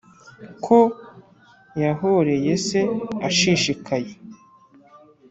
ko yahoreye se ashishikaye,